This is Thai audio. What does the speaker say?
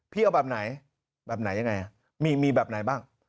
พี่เอาแบบไหนมีแบบไหนบ้าง